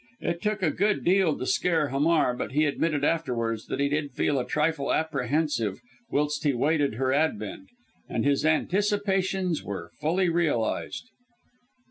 It took a good deal to scare Hamar, but he admitted afterwards that he did feel a trifle apprehensive whilst he awaited her advent; and his anticipations were fully realized.